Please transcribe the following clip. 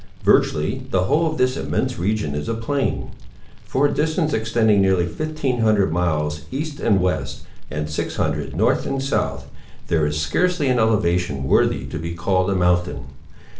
Virtually, the whole of this immense region is a plain. For a distance extending nearly 1500 miles east and west, and 600 north and south, there is scarcely an elevation worthy to be called a mountain.